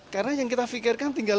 karena yang kita fikirkan tidak